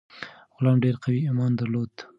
غلام ډیر قوي ایمان درلود.